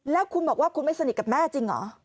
แล้วคุณบอกว่าคุณไม่สนิทกับแม่จริงเหรอ